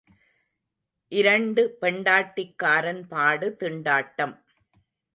இரண்டு பெண்டாட்டிக்காரன் பாடு திண்டாட்டம்.